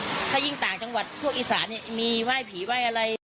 เธอก็เชื่อว่ามันคงเป็นเรื่องความเชื่อที่บรรดองนำเครื่องเส้นวาดผู้ผีปีศาจเป็นประจำ